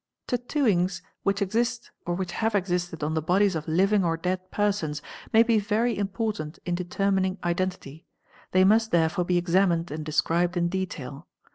Tattooings which exist or which have existed on the bodies of living or dead persons may be very important in determining identity ; they must therefore be examined and described in detail.